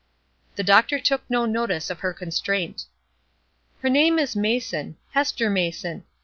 The doctor took no notice of her constraint. "Her name is Mason. Hester Mason.